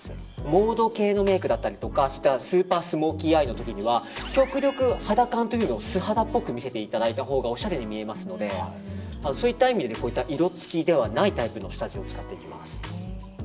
モード系のメイクやスーパースモーキーの時は極力、肌感というのを素肌っぽく見せたほうがおしゃれに見えますのでそういった意味で色付きではないタイプの下地を使っていきます。